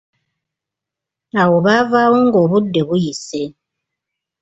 Awo baavaawo nga obudde buyise.